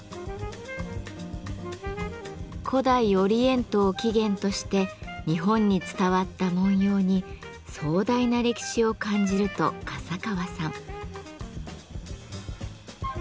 古代オリエントを起源として日本に伝わった文様に壮大な歴史を感じると笠川さん。